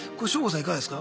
いかがですか？